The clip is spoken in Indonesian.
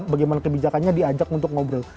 bagaimana kebijakannya diajak untuk ngobrol